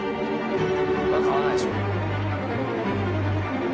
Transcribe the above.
「これは買わないでしょ」